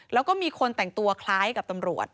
แล้วก็มีคนแต่งตัวคล้ายกับตำรวจ